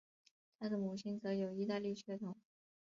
他的母亲则有意大利血统。